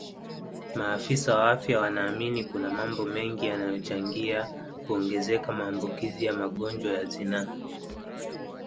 Maafisa wa afya wanaamini kuna mambo mengi yanayochangia kuongezeka maambukizi ya magonjwa ya zinaa